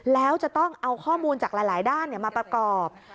แล้วจะต้องเอาข้อมูลจากหลายด้านมาประกอบ